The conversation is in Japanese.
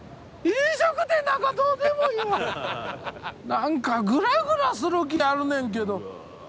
なんかグラグラする木あるねんけど。